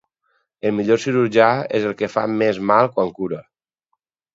El millor cirurgià és el que fa més mal quan cura.